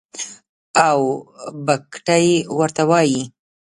او بګتۍ ورته وايي.